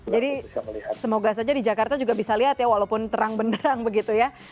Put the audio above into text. semoga saja di jakarta juga bisa lihat ya walaupun terang benderang begitu ya